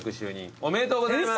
おめでとうございます。